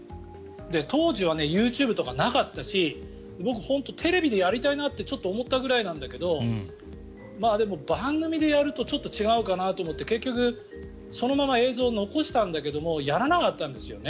当時はＹｏｕＴｕｂｅとかなかったし僕、本当にテレビでやりたいなとちょっと思ったぐらいなんだけどでも番組でやるとちょっと違うかなと思って結局そのまま映像を残したけどやらなかったんですよね。